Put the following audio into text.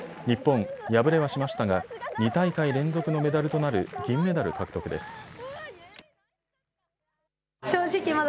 日本、敗れはしましたが２大会連続のメダルとなる銀メダル獲得です。